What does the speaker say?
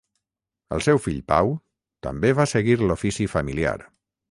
El seu fill Pau també va seguir l'ofici familiar.